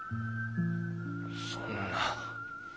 そんな。